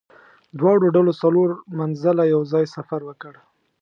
دواړو ډلو څلور منزله یو ځای سفر وکړ.